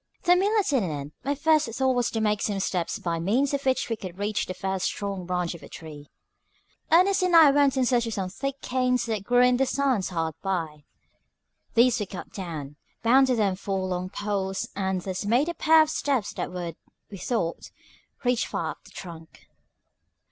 THE meal at an end, my first thought was to make some steps by means of which we could reach the first strong branch of the tree. Ernest and I went in search of some thick canes that grew in the sands hard by. These we cut down, bound them to four long poles, and thus made a pair of steps that would, we thought, reach far up the trunk.